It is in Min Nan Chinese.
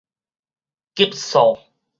急躁